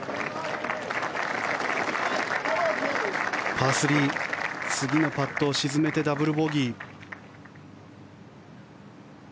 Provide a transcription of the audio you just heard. パー３、次のパットを沈めてダブルボギー。